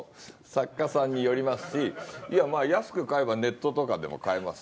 作家さんによりますし。安く買えばネットとかでも買えますよ。